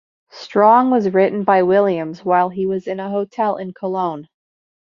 "Strong" was written by Williams while he was in a hotel in Cologne.